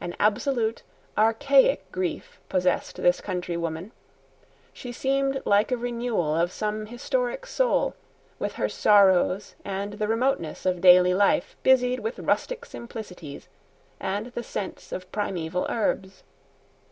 An absolute, archaic grief possessed this countrywoman; she seemed like a renewal of some historic soul, with her sorrows and the remoteness of a daily life busied with rustic simplicities and the scents of primeval herbs.